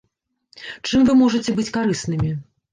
Чым вы можаце быць карыснымі?